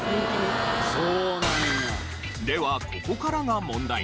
ではここからが問題。